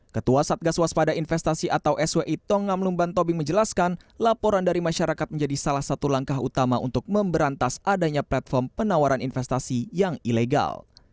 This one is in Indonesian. ketua satgas waspada investasi atau swi tongam lumban tobing menjelaskan laporan dari masyarakat menjadi salah satu langkah utama untuk memberantas adanya platform penawaran investasi yang ilegal